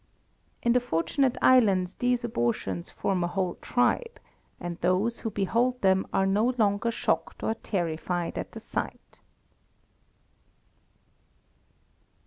In the Fortunate Islands these abortions form a whole tribe, and those who behold them are no longer shocked or terrified at the sight.